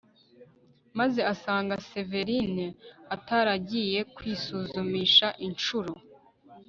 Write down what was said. maze asanga severine ataragiye kwisuzumisha incuro